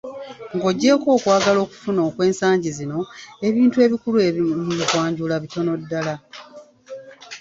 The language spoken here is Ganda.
"Nga oggyeeko okwagala okufuna okw’ensangi zino, ebintu ebikulu mu kwanjula bitono ddala."